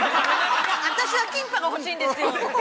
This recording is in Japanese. ◆私はキンパが欲しいんですよ。